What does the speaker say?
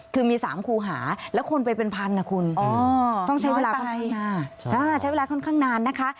คือมีสามคูหาแล้วคนไปเป็นพันธุ์นะคุณน้อยไปใช้เวลาค่อนข้างนานนะคะ